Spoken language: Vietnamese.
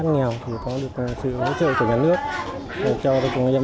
và củng cố chất lượng hoạt động của mạng lưới tổ tiết kiệm góp phần đưa nguồn vốn tín dụng chính sách